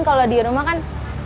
kalau di rumah kan